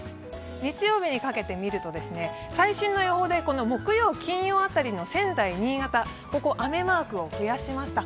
日曜日にかけて見ると、最新の予報で木曜、金曜あたりの仙台、新潟雨マークを増やしました。